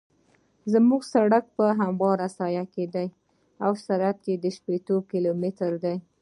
زما سرک په همواره ساحه کې دی او سرعت یې شپیته کیلومتره دی